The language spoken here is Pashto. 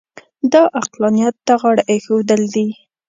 دا عقلانیت ته غاړه اېښودل دي.